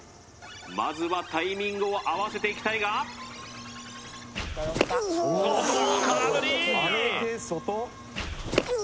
まずはタイミングを合わせていきたいがうおーっ空振りー！